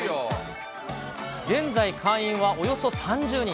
現在、会員はおよそ３０人。